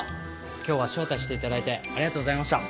今日は招待していただいてありがとうございました。